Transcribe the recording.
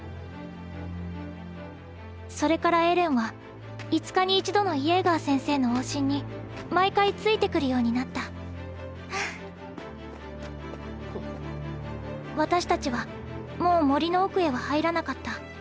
それからエレンは５日に一度のイェーガー先生の往診に毎回ついてくるようになった私たちはもう森の奥へは入らなかった。